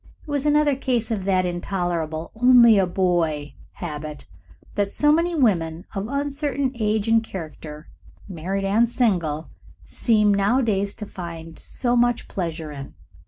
It was another case of that intolerable "only a boy" habit that so many women of uncertain age and character, married and single, seem nowadays to find so much pleasure in.